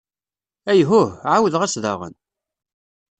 Ayhuh, εawdeɣ-as daɣen!